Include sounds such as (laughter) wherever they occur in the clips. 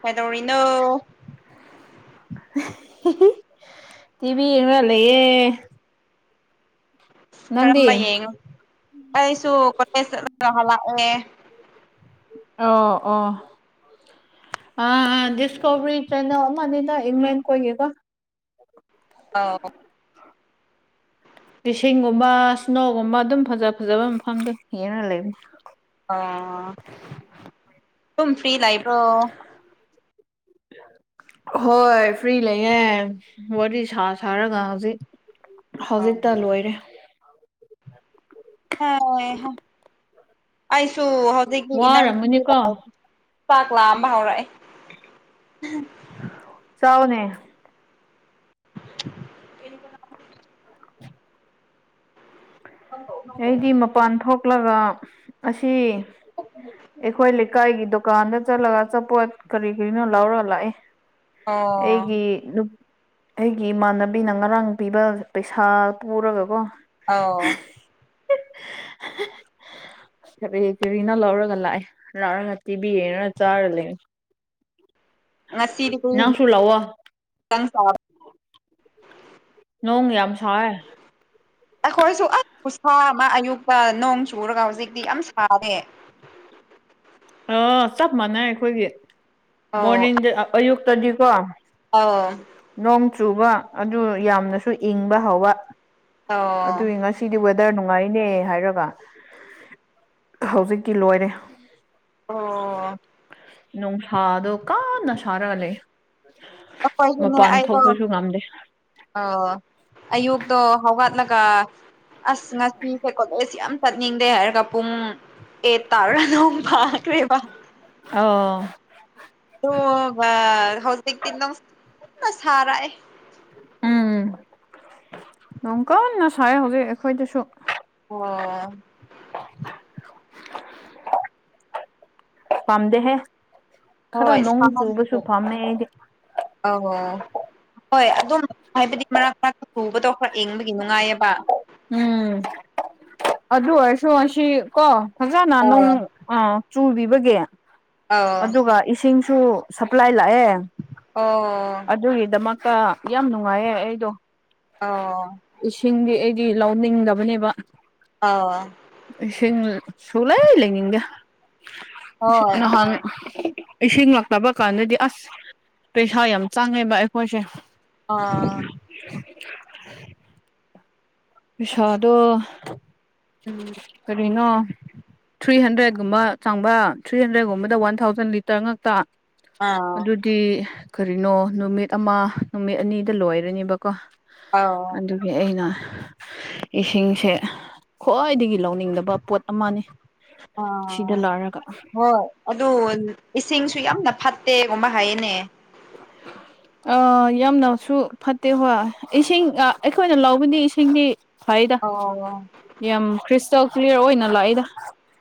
ꯀꯩꯗꯧꯔꯤꯅꯣ ꯍꯤꯍꯤ ꯇꯤꯚꯤ ꯌꯦꯡꯔ ꯂꯩꯌꯦ ꯅꯪꯗꯤ ꯀꯔꯝꯕ ꯌꯦꯡꯉꯣ ꯑꯩꯁꯨ ꯀꯣꯂꯦꯖ ꯆꯠꯂꯒ ꯍꯜꯂꯛꯑꯦ ꯑꯣ ꯑꯣ ꯑ ꯗꯤꯁꯀꯣꯕꯔꯤ ꯆꯦꯟꯅꯦꯜ ꯑꯃꯅꯤꯗ ꯏꯪꯂꯦꯟ ꯈꯣꯏꯒꯤꯀꯣ ꯑꯥꯎ ꯏꯁꯤꯡꯒꯨꯝꯕ ꯁ꯭ꯅꯣꯒꯨꯝꯕ ꯑꯗꯨꯝ ꯐꯖ ꯐꯖꯕ ꯃꯐꯝꯗꯣ ꯌꯦꯡꯔ ꯂꯩꯕꯅꯦ ꯑꯣ ꯁꯨꯝ ꯐ꯭ꯔꯤ ꯂꯩꯕ꯭ꯔꯣ (unintelligible) ꯍꯣꯏ ꯐ꯭ꯔꯤ ꯂꯩꯌꯦ ꯋꯥꯔꯤ ꯁꯥ ꯁꯥꯔꯒ ꯍꯧꯖꯤꯛ ꯍꯧꯖꯤꯛꯇ ꯂꯣꯏꯔꯦ ꯍꯥꯏ ꯍꯥ ꯑꯩꯁꯨꯨ ꯍꯧꯖꯤꯛ ꯋꯥꯔꯝꯒꯅꯤꯀꯣ (inaudible) ꯆꯥꯛ ꯂꯥꯝꯕ ꯍꯧꯔꯛꯑꯦ ꯆꯥꯎꯅꯦ (inaudible) (unintelligible) ꯑꯩꯗꯤ ꯃꯄꯥꯟ ꯊꯣꯛꯂꯒ ꯑꯁꯤ ꯑꯩꯈꯣꯏ ꯂꯩ ꯀꯥꯏꯒꯤ ꯗꯨꯀꯥꯟꯗ ꯆꯠꯂꯒ ꯑꯆꯄꯣꯠ ꯀꯔꯤ ꯀꯔꯤꯅꯣ ꯂꯧꯔꯒ ꯂꯥꯛꯑꯦ ꯑꯣ ꯑꯩꯒꯤ ꯅꯨꯞ ꯑꯩꯒꯤ ꯏꯃꯥꯟꯅꯕꯤꯅ ꯉꯔꯥꯡ ꯄꯤꯕ ꯄꯩꯁꯥ ꯄꯨꯔꯒꯀꯣ ꯑꯥꯎ ꯑꯁ ꯀꯔꯤ ꯀꯔꯤꯅꯣ ꯂꯧꯔꯒ ꯂꯥꯛꯑꯦ ꯂꯥꯛꯔꯒ ꯇꯤꯚꯤ ꯌꯦꯡꯔꯒ ꯆꯥꯔ ꯂꯩꯅꯤ ꯉꯁꯤꯗꯤ ꯅꯪꯁꯨ ꯂꯥꯛꯑꯣ (inaudible) ꯅꯣꯡ ꯌꯥꯝ ꯁꯥꯏꯌꯦ ꯑꯩꯈꯣꯏꯁꯨ ꯑꯁ ꯈꯨꯁꯥ ꯑꯃ ꯑꯌꯨꯛꯇ ꯅꯣꯡ ꯆꯨꯔꯒ ꯍꯧꯖꯤꯛꯇꯤ ꯌꯥꯝ ꯁꯥꯔꯦ ꯑꯥ ꯆꯞ ꯃꯥꯟꯅꯩ ꯑꯩꯈꯣꯏꯒꯤ ꯃꯣꯔꯅꯤꯡꯗ ꯑ ꯑꯌꯨꯛꯇꯗꯤꯀꯣ ꯑꯥꯎ ꯅꯣꯡ ꯆꯨꯕ ꯑꯗꯨ ꯌꯥꯝꯅꯁꯨ ꯏꯪꯕ ꯍꯧꯕ ꯑꯗꯨꯒꯤ ꯑꯧ ꯉꯁꯤ ꯁꯤꯗꯤ ꯋꯦꯗꯔ ꯅꯨꯡꯉꯥꯏꯅꯦ ꯍꯥꯏꯔꯒ ꯍꯧꯖꯤꯛꯤ ꯂꯣꯏꯔꯦ ꯑꯣ ꯅꯨꯡꯁꯥꯗꯣ ꯀꯥꯟꯅ ꯁꯥꯔꯛꯑꯅꯤ ꯃꯄꯥꯟ ꯊꯣꯛꯄꯁꯨ ꯉꯝꯗꯦ ꯑꯣ ꯑꯌꯨꯛꯇꯣ ꯍꯧꯋꯥꯠꯂꯒ ꯑꯁ ꯉꯁꯤꯁꯦꯀꯣꯂꯦ ꯌꯥꯝ ꯆꯠꯅꯤꯡꯗꯦ ꯍꯥꯏꯔꯒꯄꯨꯝ ꯑꯦ ꯇꯥꯔ ꯑꯗꯨ ꯐꯥꯈ꯭ꯔꯦꯕ ꯑꯣ ꯑ ꯍꯧꯖꯤꯛꯇꯤ ꯅꯪꯟꯅ ꯁꯥꯔꯛꯑꯦ ꯎꯝ ꯅ ꯀꯟꯅ ꯁꯥꯏ ꯍꯧꯖꯤꯛ ꯑꯩꯈꯣꯏꯗꯁꯨ ꯑꯣ ꯄꯥꯝꯗ ꯍꯦ ꯈꯔ ꯍꯣꯏ ꯅꯣꯡ ꯆꯨꯕꯁꯨ ꯐꯝꯃꯦ ꯑꯩꯗꯤ ꯑ ꯍꯣ ꯍꯣꯏ ꯑꯗꯨꯝ ꯍꯥꯏꯕꯗꯤ ꯃꯔꯛ ꯃꯔꯛꯇ ꯊꯨꯕꯗꯣ ꯈꯔ ꯌꯦꯡꯕꯒꯤ ꯅꯨꯡꯉꯥꯏꯌꯦꯕ ꯎꯝ ꯑꯗꯨ ꯑꯣꯏꯔꯁꯨ ꯑꯁꯤ ꯀꯣ ꯐꯖꯅ ꯑꯣ ꯅꯣꯡ ꯆꯨꯕꯤꯕꯒꯦ ꯑꯧ ꯑꯗꯨꯒ ꯏꯁꯤꯡꯁꯨ ꯁꯄ꯭ꯂꯥꯏ ꯂꯥꯛꯑꯦ ꯑꯣ ꯑꯗꯨꯒꯤꯗꯃꯛ ꯑ ꯌꯥꯝ ꯅꯨꯡꯉꯥꯏꯌꯦꯦ ꯑꯩꯗꯣ ꯑꯣ ꯏꯁꯤꯡꯗꯤ ꯑꯩꯗꯤ ꯂꯧꯅꯤꯡꯗꯕꯅꯦꯕ ꯑꯣ ꯏꯁꯤꯡ ꯁꯂꯥꯏ ꯂꯩꯉꯒ ꯍꯣꯏ ꯅꯍꯥꯟ ꯏꯁꯤꯡ ꯂꯛꯇꯕ ꯀꯥꯟꯗꯗꯤ ꯑꯁ ꯄꯩꯁꯥ ꯌꯥꯝ ꯆꯪꯉꯦꯕ ꯑꯩꯈꯣꯏꯁꯦ ꯑꯥ (unintelligible) ꯄꯁꯣꯗꯣ ꯎꯝ ꯀꯔꯤꯅꯣ ꯊ꯭ꯔꯤ ꯍꯟꯗ꯭ꯔꯦꯠꯀꯨꯝꯕ ꯆꯪꯕ ꯊ꯭ꯔꯤ ꯍꯟꯗ꯭ꯔꯦꯠꯀꯨꯝꯕꯗ ꯋꯥꯟ ꯊꯥꯎꯖꯟ ꯆꯪꯉꯛꯇ ꯑꯥ ꯗꯤ ꯀꯔꯤꯅꯣ ꯅꯨꯃꯤꯠ ꯑꯃ ꯅꯨꯃꯤꯠ ꯑꯅꯤꯗ ꯂꯣꯏꯔꯅꯦꯕꯀꯣ ꯑꯧ ꯑꯗꯨ ꯑꯩꯅ ꯏꯁꯤꯡꯁꯦ ꯈ꯭ꯋꯥꯏꯗꯒꯤ ꯂꯧꯅꯤꯡꯗꯕ ꯄꯣꯠ ꯑꯃꯅꯤ ꯁꯤꯗ ꯑꯥ ꯂꯔꯒ ꯍꯣꯏ ꯑꯗꯨ ꯏꯁꯤꯡꯁꯨ ꯌꯥꯝꯅ ꯐꯠꯇꯦꯒꯨꯝꯕ ꯍꯥꯏꯌꯦꯅꯦ ꯑꯥ ꯌꯥꯝꯅꯁꯨ ꯐꯠꯇꯦ ꯍꯣꯏ ꯏꯁꯤꯡ ꯑꯩꯈꯣꯏꯅ ꯂꯧꯕꯗꯤ ꯏꯁꯤꯡꯗꯤ ꯐꯩꯗ ꯑꯣ ꯌꯥꯝ ꯈ꯭ꯔꯤꯁꯇꯦꯜ ꯀ꯭ꯂꯤꯌꯥꯔ ꯑꯣꯏꯅ ꯂꯥꯛꯏꯗ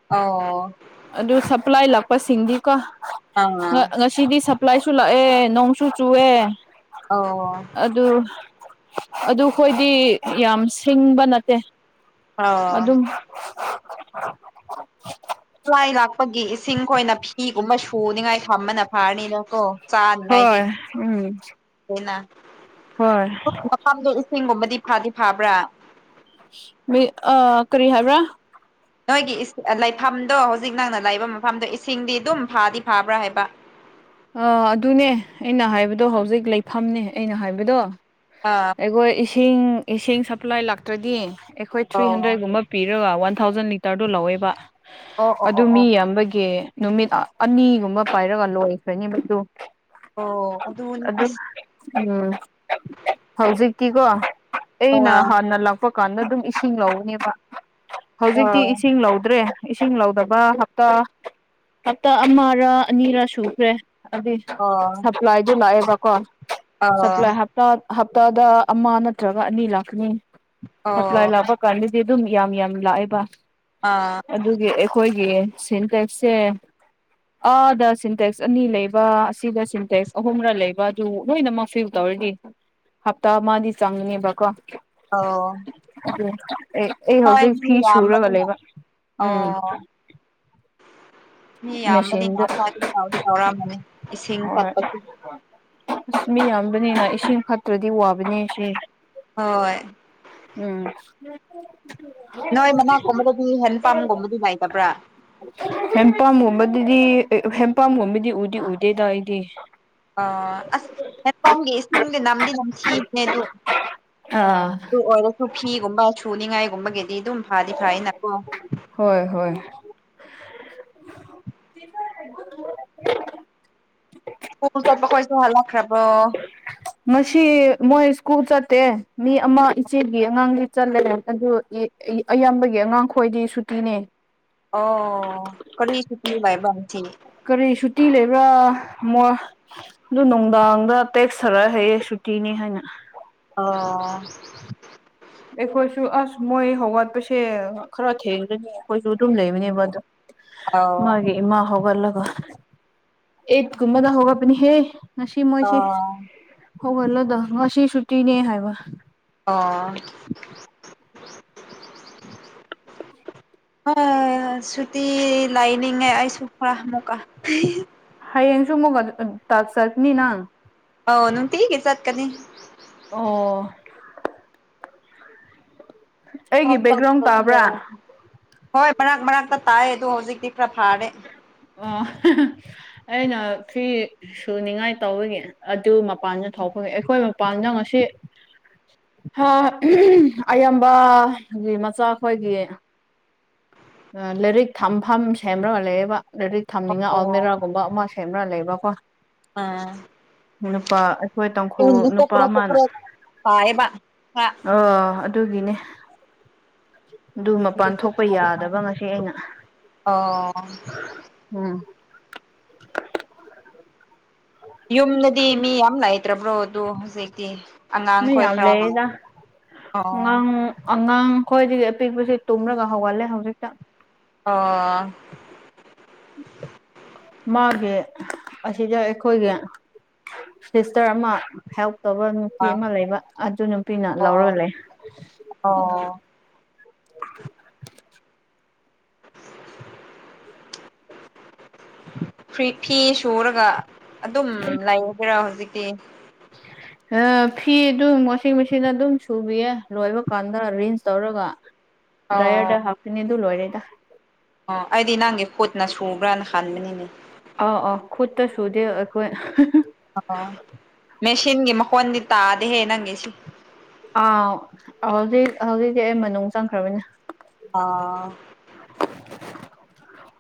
ꯑꯣ ꯑꯗꯨ ꯁꯄ꯭ꯂꯥꯏ ꯂꯥꯛꯄꯁꯤꯡꯗꯤꯀꯣ ꯑꯥ ꯉ ꯁꯤꯗꯤ ꯁꯄ꯭ꯂꯥꯏꯁꯨ ꯂꯥꯛꯑꯦ ꯅꯣꯡꯁꯨ ꯆꯨꯑꯦ ꯑꯣ ꯑꯗꯨ ꯑꯗꯨ ꯑꯩꯣꯏꯗꯤ ꯌꯥꯝ ꯁꯤꯡꯕ ꯅꯠꯇꯦ ꯑꯗꯨꯝ ꯂꯥꯏ ꯂꯥꯛꯄꯒꯤ ꯏꯁꯤꯡꯈꯣꯏꯅ ꯐꯤꯒꯨꯝꯕ ꯁꯨꯅꯤꯡꯉꯥꯏ ꯊꯝꯕꯅ ꯐꯥꯔꯅꯤꯅ ꯀꯣ ꯆꯥꯅꯤꯡꯉꯥꯏꯗꯤ ꯍꯣꯏ ꯎꯝ ꯑꯗꯨꯅ ꯍꯣꯏ ꯃ ꯆꯁꯤꯡꯒꯨꯝꯕꯗꯤ ꯐꯥꯗꯤ ꯐꯥꯕ꯭ꯔꯥ ꯃꯤ ꯑ ꯀꯔꯤ ꯍꯥꯏꯕ꯭ꯔꯥ ꯅꯣꯏꯒꯤ ꯂꯩꯐꯝꯗꯣ ꯍꯧꯖꯤꯛ ꯅꯪꯅ ꯂꯩꯕ ꯃꯐꯝꯗꯣ ꯏꯁꯤꯡꯗꯤ ꯑꯗꯨꯝ ꯐꯥꯗꯤ ꯐꯥꯕ꯭ꯔꯥ ꯍꯥꯏꯕ ꯑꯥ ꯑꯗꯨꯅꯦ ꯑꯩꯅ ꯍꯥꯏꯕꯗꯣ ꯍꯧꯖꯤꯛ ꯂꯩꯐꯝꯅꯦ ꯑꯩꯅ ꯍꯥꯏꯕꯗꯣ ꯑꯥ ꯑꯩꯈꯣꯏ ꯏꯁꯤꯡ ꯏꯁꯤꯡ ꯁꯄ꯭ꯂꯥꯏ ꯂꯥꯛꯇ꯭ꯔꯗꯤ ꯑꯩꯈꯣꯏ ꯊ꯭ꯔꯤ ꯑꯣ ꯍꯟꯗ꯭ꯔꯦꯗꯀꯨꯝꯕ ꯄꯤꯔꯒ ꯋꯥꯟ ꯊꯥꯎꯖꯟ ꯂꯤꯇꯔꯗꯨꯣ ꯂꯧꯋꯦꯕ ꯑꯣ ꯑꯣ ꯑꯗꯨ ꯑꯣ ꯑꯣ ꯃꯤ ꯑꯃꯕꯒꯤ ꯅꯨꯃꯤꯠ ꯑꯅꯤꯒꯨꯝꯕ ꯄꯥꯏꯔꯒ ꯂꯣꯏꯈ꯭ꯔꯅꯤꯕꯁꯨ ꯑꯣ ꯑꯗꯨꯂ ꯎꯝ ꯍꯧꯖꯤꯛꯤꯀꯣ ꯑꯩꯅ ꯑꯥ ꯍꯥꯟꯅ ꯂꯥꯛ ꯆꯄ ꯀꯥꯟꯗ ꯑꯗꯨꯝ ꯏꯁꯤꯡ ꯂꯧꯅꯦꯕ ꯍꯧꯖꯤꯛꯇꯤ ꯑꯥ ꯏꯁꯤꯡ ꯂꯧꯗ꯭ꯔꯦ ꯏꯁꯤꯡ ꯂꯧꯗꯕ ꯍꯞꯇꯥ ꯍꯞꯇꯥ ꯑꯃꯔ ꯑꯅꯤꯔ ꯁꯨꯈ꯭ꯔꯦ ꯑꯗꯨꯗꯤ ꯑꯣ ꯁ꯭ꯂꯥꯏꯗꯨ ꯂꯑꯕ ꯀꯣꯟ ꯁꯄ꯭ꯂꯥꯏ ꯍꯥ ꯍꯇꯥ ꯍꯞꯇꯥꯗ ꯑꯃ ꯅꯠꯇ꯭ꯔꯒ ꯑꯅꯤ ꯂꯥꯛꯀꯅꯤ ꯍꯞ ꯑꯣ ꯂꯥꯄ ꯀꯥꯟꯗꯗꯤ ꯑꯗꯨꯝ ꯌꯥꯝ ꯌꯥꯝ ꯂꯥꯛꯑꯦꯕ ꯑꯥ ꯑꯗꯨꯒꯤ ꯑꯩꯈꯣꯏꯒꯤ ꯁꯤꯟꯇꯦꯛꯁꯁꯦ ꯑꯥꯗ ꯁꯤꯟꯇꯦꯛꯁ ꯁ ꯑꯅꯤ ꯂꯩꯕ ꯑꯁꯤꯗ ꯁꯤꯟꯇꯦꯛꯁ ꯑꯍꯨꯝꯒꯔ ꯂꯩꯕ ꯑꯗꯨ ꯂꯣꯏꯅꯃꯛ ꯐ꯭ꯌꯨ ꯇꯧꯔꯗꯤ ꯍꯞꯇꯥ ꯑꯃꯗꯤꯗꯤ ꯆꯪꯅꯦꯕꯀꯣ ꯑꯣ ꯑꯗꯨ ꯑꯩ ꯑꯩ ꯍꯣꯏ ꯍꯧꯖꯤꯛ ꯃꯤ ꯐꯤ ꯁꯨꯔꯒ ꯌꯥꯝꯕꯅꯤꯅ ꯂꯩꯕ ꯎꯝ ꯑꯣ ꯃꯤ ꯌꯥꯝꯕꯗꯤ ꯃꯦꯆꯤꯟꯗ ꯉꯍꯥꯛ ꯐꯗꯤ ꯆꯥꯎꯗꯤ ꯇꯥꯎꯔꯛꯑꯝꯕꯅꯤ ꯏꯁꯤꯡ ꯍꯣꯏ ꯀꯠꯄꯁꯨ ꯑꯁ ꯃꯤ ꯌꯥꯝꯕꯅꯤꯅ ꯏꯁꯤꯡ ꯐꯠꯇ꯭ꯔꯗꯤ ꯋꯥꯕꯅꯦ ꯁꯤ ꯍꯣꯏ ꯎꯝ ꯅꯣꯏ ꯃꯅꯥꯛꯀꯨꯝꯕꯗꯗꯤ ꯍꯦꯟ ꯄꯝꯒꯨꯝꯕꯗꯤ ꯂꯩꯥꯇꯕ꯭ꯔꯥ ꯍꯦꯟꯄꯥꯝꯒꯨꯝꯕꯗꯨꯗꯤ ꯍꯦꯟꯄꯥꯝꯒꯨꯝꯕꯗꯤ ꯎꯗꯤ ꯎꯗꯦꯗꯏꯗꯤ ꯑ ꯑꯁ ꯍꯐꯝꯣꯝꯒꯤ ꯏꯁꯤꯡꯗꯤ ꯅꯝꯗꯤ ꯅꯝꯊꯤꯕꯅꯦ ꯑꯗ ꯑꯥ ꯑꯗꯨ ꯑꯣꯏꯔꯁꯨ ꯐꯤꯒꯨꯝꯕ ꯁꯨꯅꯤꯡꯉꯥꯏꯒꯨꯝꯕꯒꯤꯗꯤ ꯑꯗꯨꯝ ꯐꯥꯗꯤ ꯐꯥꯅ ꯀ ꯍꯣꯏ ꯍꯣꯏ (unintelligible) ꯄꯣꯜꯖꯠꯕ ꯈꯣꯏ ꯆꯣꯍꯥ ꯂꯈ꯭ꯔꯥꯕꯣ ꯃꯁꯤ ꯃꯣꯏ ꯁ꯭ꯀꯨꯜ ꯆꯠꯇꯦ ꯃꯤ ꯑꯃ ꯏꯆꯦꯒꯤ ꯑꯉꯥꯡꯒꯤ ꯆꯠꯂꯦ ꯑꯗꯨ ꯑꯌꯥꯝꯕꯒꯤ ꯑꯉꯥꯡ ꯈꯣꯏꯗꯤ ꯁꯨꯇꯤꯅꯦ ꯑꯣ ꯀꯔꯤ ꯆꯨꯄꯤ ꯋꯥꯏꯕ ꯊꯤ ꯀꯔꯤ ꯁꯨꯇꯤ ꯂꯩꯕ꯭ꯔꯥ ꯃ ꯑꯗꯨ ꯅꯨꯡꯗꯥꯡꯗ ꯇꯦꯛꯁꯊꯔ ꯍꯌꯦ ꯁꯨꯇꯤꯅꯤ ꯍꯥꯏꯅ ꯑꯣ ꯑꯩꯈꯣꯏꯁꯨ ꯑꯁ ꯃꯣꯏ ꯍꯧꯒꯠꯄꯁꯦ ꯈꯔ ꯊꯦꯡꯅꯒꯅꯤ ꯑꯩꯈꯣꯏꯁꯨ ꯑꯗꯨꯝ ꯂꯩꯕꯅꯦꯕ ꯑꯗꯣ ꯑꯧ ꯃꯥꯒꯤ ꯏ ꯃꯥ ꯍꯒꯂꯒ ꯑꯦꯠꯀꯨꯝꯃꯗꯥ ꯍꯒ ꯄ ꯍꯦ ꯉꯁꯤ ꯃꯣꯏꯁꯤꯦ ꯑꯣ ꯍꯧꯒꯠꯂꯗ ꯉꯁꯤ ꯁꯨꯇꯤꯅꯦ ꯍꯥꯏꯕ ꯑꯣ ꯍꯣꯏ ꯁꯨꯇꯤ ꯂꯥꯏꯅꯤꯡꯉꯦ ꯑꯩꯁꯨ ꯈꯔ ꯑꯃꯨꯛꯀ ꯍ ꯌꯦꯡꯁꯨꯃꯒ ꯑꯗꯨ ꯇꯥꯛ ꯇꯠꯅꯤ ꯅꯪ ꯑ ꯅꯅꯨꯡ ꯊꯤꯒ ꯆꯠ ꯀꯅꯤ ꯑꯣ ꯑꯩꯒꯤ ꯕꯦꯛꯒ꯭ꯔꯥꯎꯟ ꯇꯥꯕ꯭ꯔꯥ ꯍꯣꯏ ꯃꯔꯛ ꯃꯅꯥꯛꯇ ꯇꯥꯏ ꯑꯗꯨꯗꯣ ꯍꯧꯖꯤꯛꯇꯤ ꯈꯔ ꯐꯥꯔꯦ ꯑ ꯑꯩꯅ ꯊ꯭ꯔꯤ ꯁꯨꯅꯤꯡꯉꯥꯏ ꯇꯧꯔꯤꯒꯤ ꯑꯗꯨ ꯃꯄꯥꯟꯗ ꯊꯣꯛꯄꯉ ꯑꯩꯈꯣꯏ ꯃꯄꯥꯟꯗ ꯉꯁꯤ ꯍꯥ ꯑꯌꯥꯝꯕꯒꯤ ꯃꯆꯥ ꯈꯈꯣꯏꯒꯤ ꯂꯥꯏꯔꯤꯛ ꯊꯝꯐꯝ ꯁꯦꯝꯕ꯭ꯔꯒꯂꯑꯦꯕ ꯂꯥꯏꯔꯤꯛ ꯊꯝꯅꯤꯡꯉ ꯑꯜꯃꯦꯔꯥꯒꯨꯝꯕ ꯑꯃ ꯐꯦꯕ꯭ꯔ ꯂꯩꯕ ꯀꯣ ꯑꯥ ꯅꯨꯄꯥ ꯑꯩꯈꯣꯏ ꯇꯥꯡꯈꯨ ꯅꯨꯄꯥ ꯀꯣꯀ꯭ꯔꯣ ꯑꯃꯅ ꯀꯣꯀ꯭ꯔꯣ ꯄꯥꯏꯌꯦꯕ ꯈꯔ ꯑ ꯑꯗꯨꯒꯤꯅꯦ ꯑꯗꯨ ꯃꯄꯥꯟ ꯍꯧꯖꯤꯛꯇꯤ ꯊꯣꯛ ꯄ ꯐꯥꯗꯤ ꯌꯥꯗꯕ ꯐꯥꯔꯦ ꯉꯁꯤ ꯑꯩꯅ ꯑꯣ ꯎꯝ ꯌꯨꯝꯅꯗꯤ ꯃꯤ ꯌꯥꯝ ꯂꯩꯅꯥꯏꯇ꯭ꯔꯕ꯭ꯔꯣ ꯑꯗꯨ ꯍꯧꯖꯤꯛꯇꯤ ꯃ ꯑꯉꯥꯡꯈꯣꯏ ꯌꯥꯝ ꯈꯔ ꯂꯩꯗ ꯑꯣ ꯉ ꯑꯉꯥꯡ ꯈꯈꯣꯏꯗꯒꯤ ꯑꯄꯤꯛꯄꯁ ꯇꯨꯝꯔꯒ ꯍꯧꯒꯠꯂꯦ ꯍꯧꯖꯤꯛꯇ ꯑꯣ ꯃꯥꯒꯤ ꯑꯁꯤꯗ ꯑꯩꯈꯣꯏꯒ ꯁꯤꯁꯇꯔ ꯑꯃ ꯍꯦꯜꯞ ꯇꯧꯕ ꯅꯨꯄꯤ ꯑꯃ ꯂꯩꯕ ꯑꯗꯨ ꯅꯨꯄꯤꯅ ꯂꯧꯔ ꯑꯣ ꯂꯩ ꯑꯣ ꯐꯤꯐꯇꯤ ꯁꯨꯔꯒ ꯑꯗꯨꯝ ꯂꯩꯔꯗꯔꯥ ꯍꯧꯖꯤꯛꯇꯤ ꯎ ꯐꯤ ꯑꯗꯨꯝ ꯋꯥꯁꯤꯡ ꯃꯦꯆꯤꯟ ꯑꯗꯨꯝ ꯁꯨꯕꯤꯌꯦ ꯂꯣꯏꯕ ꯀꯥꯟꯗ ꯔꯦꯟꯖ ꯇꯧꯔꯒ ꯗ꯭ꯔꯥꯏꯌꯔꯗ ꯑꯣ ꯍꯥꯞꯀꯅꯤ ꯑꯗꯨ ꯂꯣꯏꯔꯦꯗ ꯑꯣ ꯑꯩꯗꯤ ꯅꯪꯒꯤ ꯈꯨꯣꯠꯅ ꯁꯨꯕ꯭ꯔꯅ ꯍꯟꯥꯟꯕꯅꯤꯅꯦ ꯑꯥꯎ ꯑꯥ ꯈꯨꯠꯇ ꯁꯨꯗꯦ ꯑꯩꯈꯣꯏ ꯑꯣ ꯃꯦꯁꯤꯟꯒꯤ ꯃꯈꯣꯟꯗꯤ ꯇꯥꯗꯦꯍꯦ ꯅꯪꯒꯤꯁꯤ ꯑꯥ ꯍꯧꯖꯤꯛ ꯍꯧꯖꯤꯛꯤ ꯑꯩ ꯃꯅꯨꯡ ꯆꯪꯈ꯭ꯔꯕꯅꯤꯅꯦ ꯑꯥ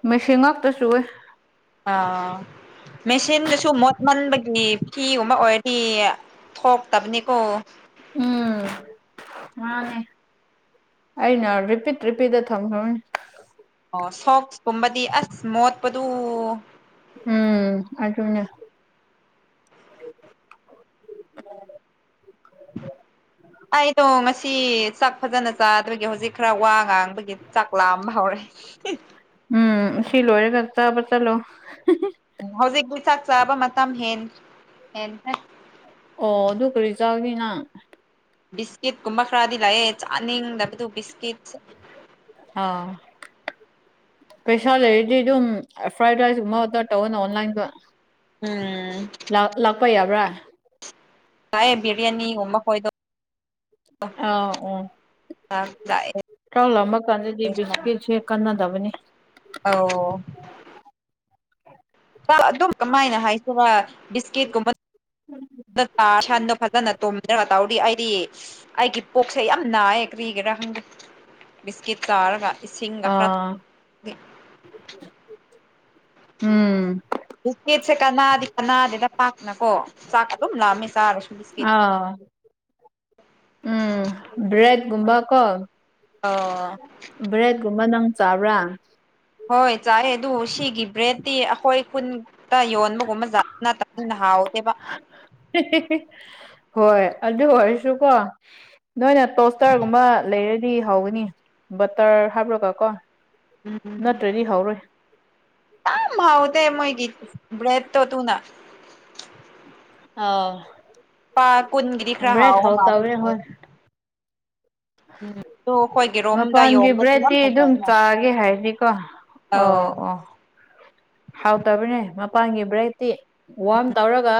ꯃꯦꯁꯤꯡ ꯉꯥꯛꯇ ꯆꯋ ꯑꯥ ꯃꯦꯆꯤꯟꯗꯁꯨ ꯃꯣꯠꯃꯟꯕꯒꯤ ꯐꯤꯒꯨꯝꯕ ꯑꯣꯏꯔꯗꯤ ꯊꯣꯛꯇꯥꯕꯅꯤꯀꯣ ꯎꯝ ꯃꯥꯅꯦꯅꯦ ꯑꯩꯅ ꯔꯤꯄꯤꯠ ꯔꯤꯄꯤꯠꯇ ꯊꯝꯈ꯭ꯔꯅꯤ ꯑꯣ ꯁꯣꯁꯀꯨꯝꯕꯗꯤ ꯑꯁ ꯃꯣꯠꯄꯗꯨ ꯎꯝ ꯑꯗꯨꯅ (inaudible) ꯑꯩꯗꯣ ꯉꯁꯤ ꯆꯥꯛ ꯐꯖꯅ ꯆꯥꯗꯕꯒꯤ ꯍꯧꯖꯤꯛ ꯈꯔ ꯋꯥ ꯉꯥꯡꯕꯒꯤ ꯆꯥꯛ ꯂꯥꯛꯑꯝꯕ ꯍꯧꯔꯦ ꯎ ꯎꯝ ꯁꯤ ꯂꯣꯏꯔꯒ ꯆꯥꯕ ꯆꯠꯂꯣ ꯍꯧꯖꯤꯛꯤ ꯆꯥꯛ ꯆꯥꯕ ꯃꯇꯝ ꯍꯦꯟ ꯍꯦꯟ ꯑꯣ ꯑꯗꯨ ꯀꯔꯤ ꯆꯥꯒꯤꯅꯪ ꯕꯤꯁꯀꯤꯠꯀꯨꯝꯕ ꯈꯔꯗꯤ ꯂꯥꯛꯑꯦ ꯆꯥꯅꯤꯡꯗꯕꯗꯨ ꯕꯤꯁꯀꯤꯠꯁꯦ ꯑꯥ ꯄꯩꯁꯥ ꯂꯩꯔꯗꯤ ꯑꯗꯨꯝ ꯐ꯭ꯔꯥꯏꯗ ꯔꯥꯏꯁꯀꯨꯝꯕ ꯑꯣꯗꯔ ꯇꯧꯋꯅ ꯑꯣꯟꯂꯥꯏꯟꯗ ꯎꯝ ꯂꯥꯛꯄ ꯌꯥꯕ꯭ꯔꯥ ꯇꯥꯏ ꯔꯌꯥꯅꯤ ꯎꯃ ꯍꯣꯗꯣ ꯑꯥ ꯑꯣ ꯂꯥꯛꯑꯦ ꯆꯥꯛ ꯂꯝꯃ ꯀꯥꯟꯗꯗꯤ ꯕꯤꯁꯀꯤꯠꯁꯦ ꯀꯟꯅꯗꯕꯅꯤ ꯑꯣ ꯑꯗꯨꯝ ꯀꯃꯥꯏꯅ ꯍꯥꯏꯁꯤꯔ ꯕꯤꯁꯀꯤꯠꯀꯨꯝꯕ ꯗ ꯇ ꯁꯟꯗꯣ ꯐꯖꯅ ꯇꯣꯝꯗ ꯇꯧꯔꯤ ꯑꯩꯗꯤ ꯑꯩꯒꯤ ꯄꯣꯛꯁꯦ ꯌꯥꯝ ꯅꯥꯏꯌꯦ ꯀꯔꯤꯒꯤꯔꯥ ꯈꯪꯗꯦ ꯕꯤꯁꯀꯤꯠ ꯇꯥꯔꯒ ꯏꯁꯤꯡꯒ ꯈꯔ ꯑꯥ ꯎꯝ ꯕꯤꯁꯀꯤꯠꯁꯦ ꯀꯅꯥꯗꯤ ꯀꯅꯥꯗꯅ ꯄꯥꯛꯅ ꯀꯣ ꯆꯥꯛ ꯑꯗꯨꯝ ꯂꯥꯛꯑꯃꯦ ꯆꯥꯔꯁꯨ ꯑꯥ ꯎꯝ ꯔꯦꯠꯒꯨꯝꯕ ꯀꯣ ꯑꯣ ꯕ꯭ꯔꯦꯗꯀꯨꯝꯕ ꯅꯪ ꯆꯥꯕ꯭ꯔꯥ ꯍꯣꯏ ꯆꯥꯏ ꯑꯗꯨ ꯁꯤꯒꯤ ꯕ꯭ꯔꯦꯗꯇꯤ ꯑꯩꯈꯣꯏ ꯀꯨꯟ ꯇ ꯌꯣꯟꯕꯒꯨꯝꯕꯖꯠꯅ ꯇꯅ ꯍꯥꯎꯇꯦꯕ ꯍꯦ ꯍꯦ ꯍꯣꯏ ꯑꯗꯨ ꯑꯣꯏꯔꯁꯨꯀꯣ ꯅꯣꯏꯅ ꯇꯣꯁꯇꯔꯒꯨꯝꯕ ꯂꯩꯔꯗꯤ ꯍꯧꯒꯅꯤ ꯕꯇꯔ ꯍꯥꯞꯔꯥꯒ ꯀꯣ ꯎꯝ ꯎꯝ ꯅꯠꯇ꯭ꯔꯗꯤ ꯍꯧꯔꯣꯏ ꯌꯥꯝ ꯍꯥꯎꯇꯦ ꯃꯣꯏꯒꯤ ꯕꯔꯦꯗꯇꯣ ꯇꯨꯅꯅꯥ ꯑꯣꯥꯎ ꯄꯥ ꯀꯨꯟꯒꯤꯗꯤ ꯈꯔ ꯍꯥꯎꯕ ꯍꯧꯇꯕꯅꯦ ꯃꯜꯂꯦꯕꯥ ꯍꯣꯏ ꯑꯩꯈꯣꯏꯒꯤꯔꯣꯝꯗ ꯃꯄꯥꯟꯒꯤ ꯌꯣꯟꯕꯗꯤ ꯕ꯭ꯔꯦꯠꯇꯤ ꯌꯥꯝ ꯑꯗꯨꯝ ꯐꯖꯩꯅ ꯆꯥꯒꯦ ꯍꯥꯏꯕꯅꯤꯀꯣ ꯑꯣ ꯑꯧ ꯑꯣ ꯍꯥꯎꯇꯕꯅꯦ ꯃꯄꯥꯟꯒꯤ ꯕ꯭ꯔꯦꯠꯇꯤ ꯋꯥꯔꯝ ꯇꯧꯔꯒ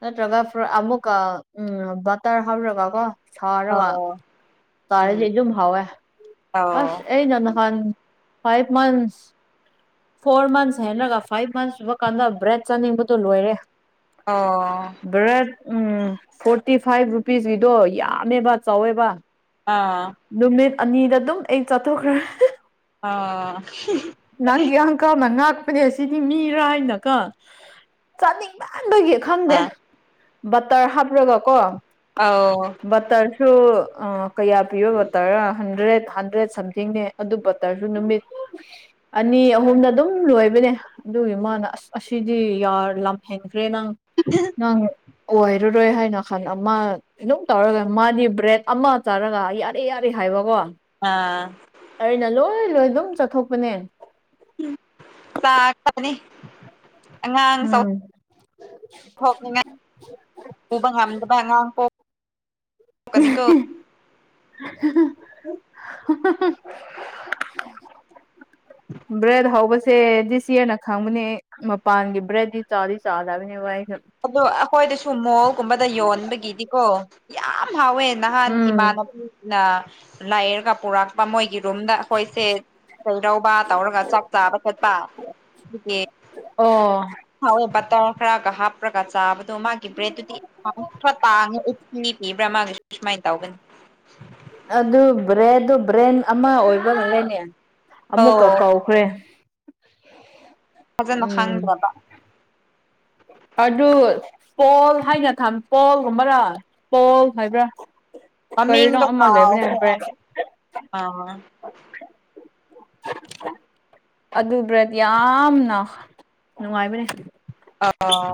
ꯅꯠꯇ꯭ꯔꯒ ꯐ ꯑꯃꯨꯛꯀꯥ ꯎꯝ ꯕꯇꯔ ꯍꯞꯔꯒꯥ ꯀꯣ ꯁꯔꯒꯥ ꯑꯧ ꯎꯝ ꯆꯥꯔꯗꯤ ꯑꯗꯨꯝ ꯍꯥꯎꯑꯦ ꯑꯧ ꯑꯁ ꯑꯩꯅꯥ ꯅꯥꯍꯜ ꯐꯥꯏꯚ ꯃꯟꯁꯇ ꯐꯣꯔ ꯃꯟꯁ ꯍꯦꯟꯔꯒ ꯐꯥꯏꯚ ꯃꯟꯁ ꯁꯨꯕ ꯀꯥꯟꯗ ꯕ꯭ꯔꯦꯗ ꯆꯥꯅꯤꯡꯕꯗꯨ ꯂꯣꯏꯔꯦ ꯑꯣ ꯕ꯭ꯔꯦꯗ ꯎꯝ ꯐꯣꯔꯇꯤ ꯐꯥꯏꯚ ꯔꯨꯄꯤꯁꯀꯤꯗꯣ ꯌꯥꯝꯃꯦꯕ ꯆꯥꯎꯋꯦꯕ ꯑꯥ ꯅꯨꯃꯤꯠ ꯑꯅꯤꯗ ꯑꯗꯨꯝ ꯑꯩ ꯆꯥꯊꯣꯛꯈ꯭ꯔꯦ ꯑꯥ ꯅꯪꯒꯤ ꯑꯪꯀꯜ ꯉꯥꯛꯄꯅꯦ ꯁꯤꯗꯤ ꯃꯤꯔ ꯍꯥꯏꯅꯀꯣ ꯆꯥꯅꯤꯡ ꯃꯟ ꯕꯒꯤ ꯈꯪꯗꯦ ꯑꯥ ꯕꯇꯔ ꯍꯥꯞ꯭ꯔꯒ ꯀꯣ ꯑꯥꯎ ꯕꯇꯔꯁꯨ ꯀꯌꯥ ꯄꯤꯕ ꯕꯇꯔ ꯔꯥ ꯍꯟꯗ꯭ꯔꯦꯠ ꯍꯟꯗ꯭ꯔꯦꯠ ꯁꯝꯊꯤꯡꯅꯦ ꯑꯗꯨ ꯕꯥꯇꯔꯁꯨ ꯅꯨꯃꯤꯠ ꯎ (unintelligible) ꯑꯅꯤ ꯑꯍꯨꯝꯗ ꯑꯗꯨꯝ ꯂꯣꯏꯕꯅꯦ ꯑꯗꯨꯒꯤ ꯃꯥꯅ ꯑꯁ ꯑꯁꯤꯗꯤ ꯌꯔꯥ ꯍꯦꯟꯈ꯭ꯔꯦ ꯅꯪ ꯅꯪ ꯑꯣꯏꯔꯔꯣꯏ ꯍꯥꯏꯅ ꯈꯟ ꯑꯃ ꯑꯗꯨꯝ ꯇꯧꯔꯒ ꯃꯥꯗꯤ ꯕ꯭ꯔꯦꯗ ꯑꯃ ꯆꯥꯔꯒ ꯌꯥꯔꯦ ꯌꯥꯔꯦ ꯍꯥꯏꯕꯀꯣ ꯑꯥ ꯑꯩꯅ ꯂꯣꯏ ꯂꯣꯏ ꯑꯗꯨꯝ ꯆꯥꯊꯣꯛꯄꯅꯦ ꯎꯟ ꯇꯔ ꯇꯥꯔꯒꯥ ꯂꯩꯕꯅꯦ (inaudible) ꯑꯉꯥꯡ ꯆꯎ ꯎꯝ ꯊꯣꯛꯅꯤꯡꯉꯥꯏ ꯎꯕ ꯉꯝꯗꯕ ꯑꯉꯥꯡ ꯄꯣꯛ ꯅꯤꯀꯣ ꯍꯥ ꯍꯥ ꯍꯥ ꯍꯥ ꯍꯥ (inaudible) ꯕꯔꯦꯗ ꯍꯥꯎꯕꯁ ꯇꯦ ꯗꯤꯁ ꯌꯔꯔꯅꯥ ꯈꯪꯕꯅꯦ ꯃꯄꯥꯟꯒꯤ ꯕ꯭ꯔꯦꯗꯤ ꯆꯥꯗꯤ ꯆꯥꯗꯕꯅꯦ ꯑꯩꯁꯨ ꯑꯗꯣ ꯑꯩꯈꯣꯏꯗꯁꯨ ꯃꯥꯎꯒꯨꯝꯕꯗ ꯌꯣꯟꯕꯒꯤꯗꯤꯀꯣ ꯌꯥꯝ ꯍꯥꯎꯋꯦ ꯅꯍꯥꯟ ꯎꯝ ꯏꯃꯥꯟꯅꯕꯤꯅ ꯂꯥꯏꯔꯒ ꯄꯨꯔꯛ ꯃꯣꯏꯒꯤ ꯔꯨꯝꯗ ꯑꯩꯈꯣꯏꯁꯦ ꯆꯩꯔꯧꯕ ꯇꯧꯔꯒ ꯆꯥꯛ ꯆꯥꯕ ꯆꯠꯄ ꯑꯗꯨꯒꯤ ꯑꯣ ꯍꯥꯎꯏ ꯕꯇꯔ ꯈꯔꯒ ꯍꯥꯞꫪꯒ ꯆꯥꯕꯗꯣ ꯃꯥꯒꯤ ꯕ꯭ꯔꯦꯗꯠꯇꯨꯗꯤ ꯈꫪ ꯇꯥꯡꯉ ꯑꯥꯏꯇꯤ ꯄꯤꯕ꯭ꯔ ꯃꯥꯒꯤꯁꯨ ꯁꯨꯃꯥꯏꯅ ꯇꯧꯒꯅꯤ ꯑꯗꯨ ꯕ꯭ꯔꯦꯗꯣ ꯕ꯭ꯔꯦꯟ ꯑꯃ ꯑꯣꯏꯕꯅꯔꯅꯦ ꯑꯃꯨꯛꯀ ꯑꯧ ꯀꯧꯈ꯭ꯔꯦ ꯐꯖꯅ ꯎꯝ ꯈꯪꯕꯔꯣꯗꯣ ꯑꯗꯨ ꯄꯣꯜ ꯍꯥꯏꯅ ꯊꯃ ꯄꯣꯜꯒꯨꯝꯕꯔꯥ ꯄꯣꯜ ꯍꯥꯏꯕ꯭ꯔꯥ ꯀꯔꯤꯅꯣ ꯃꯃꯤꯡꯗꯣ ꯑꯃ ꯂꯩꯕꯅꯦ ꯀꯥꯎꯈꯔ ꯕ꯭ꯔꯦꯗ ꯑꯥ ꯑꯗꯨ ꯕ꯭ꯔꯗ ꯌꯥꯝꯅ ꯅꯨꯡꯉꯥꯏꯕꯅꯪ ꯑꯥ ꯑꯣ